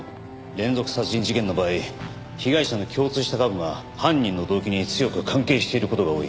連続殺人事件の場合被害者の共通した過去が犯人の動機に強く関係している事が多い。